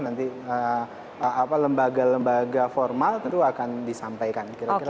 nanti lembaga lembaga formal tentu akan disampaikan